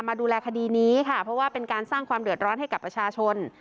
ดูแลคดีนี้ค่ะเพราะว่าเป็นการสร้างความเดือดร้อนให้กับประชาชน